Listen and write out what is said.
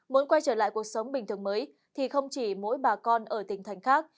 muốn quay trở lại cuộc sống bình thường mới thì không chỉ mỗi bà con ở tỉnh thành khác